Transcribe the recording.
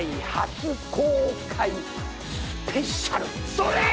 それ！